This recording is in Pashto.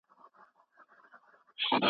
د ارغنداب سیند د سیمه ییز اقتصاد ملا تیر دی.